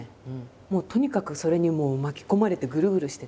もうとにかくそれに巻き込まれてぐるぐるしてて。